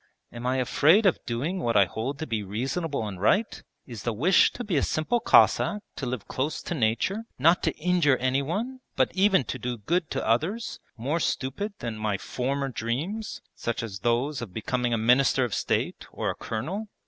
'Am I afraid of doing what I hold to be reasonable and right? Is the wish to be a simple Cossack, to live close to nature, not to injure anyone but even to do good to others, more stupid than my former dreams, such as those of becoming a minister of state or a colonel?'